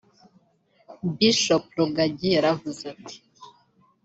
Bishop Rugagi yaravuze ati